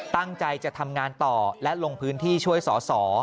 ตั้งใจจะทำงานต่อและลงพื้นที่ช่วยสอสอ